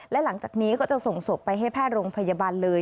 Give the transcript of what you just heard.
และหลังจากนี้ก็จะส่งศพไปให้แพทย์โรงพยาบาลเลย